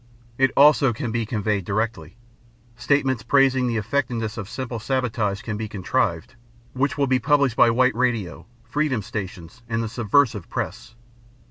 It also can be conveyed directly: statements praising the effectiveness of simple sabotage can be contrived which will be published by white radio, freedom stations, and the subversive press.